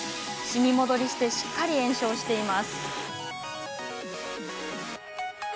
シミ戻りしてしっかり炎症しています。